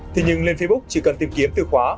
thế nhưng lên facebook chỉ cần tìm kiếm từ khóa